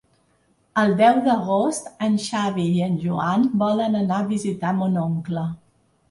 El deu d'agost en Xavi i en Joan volen anar a visitar mon oncle.